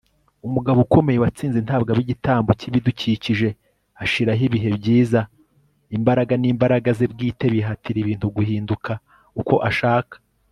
umugabo ukomeye, watsinze ntabwo aba igitambo cyibidukikije. ashiraho ibihe byiza. imbaraga n'imbaraga ze bwite bihatira ibintu guhinduka uko ashaka